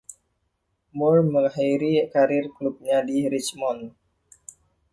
Moore mengakhiri karier klubnya di Richmond.